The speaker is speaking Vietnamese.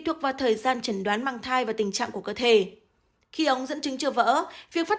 theo thời gian chẩn đoán mang thai và tình trạng của cơ thể khi ống dẫn chứng chưa vỡ việc phát